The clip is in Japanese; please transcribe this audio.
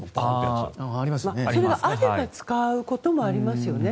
それがあれば使うこともありますよね。